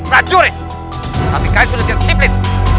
raja juris tapi kalian sudah diciplin